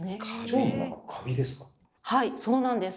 はいそうなんです。